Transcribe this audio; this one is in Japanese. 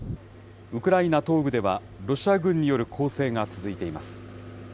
ウクライナ東部では、ロシア軍による攻勢が続いています。